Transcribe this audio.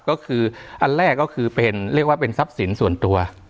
ก็คืออันแรกก็คือเป็นเรียกว่าเป็นทรัพย์สินส่วนตัว